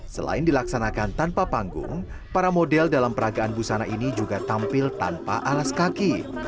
selain dilaksanakan tanpa panggung para model dalam peragaan busana ini juga tampil tanpa alas kaki